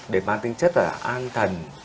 để mang tinh chất là an thần